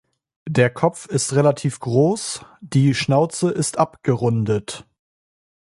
Der Kopf ist relativ groß, die Schnauze ist abgerundet.